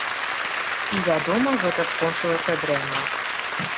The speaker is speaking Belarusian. І, вядома, гэта скончылася дрэнна.